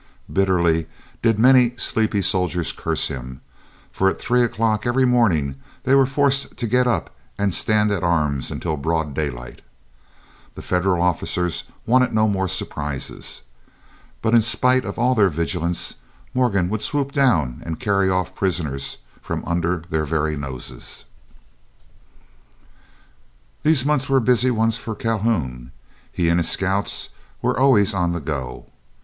Bitterly did many sleepy soldiers curse him, for at three o'clock every morning they were forced to get up and stand at arms until broad daylight. The Federal officers wanted no more surprises. But in spite of all their vigilance, Morgan would swoop down and carry off prisoners from under their very noses. These months were busy ones for Calhoun; he and his scouts were always on the go.